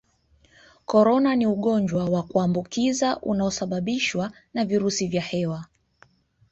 Corona ni ugonjwa wa kuambukiza unaosababishwa na virusi vya hewa